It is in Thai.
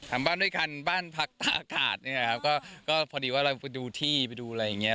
บ้านด้วยกันบ้านพักตาอากาศเนี่ยครับก็พอดีว่าเราไปดูที่ไปดูอะไรอย่างเงี้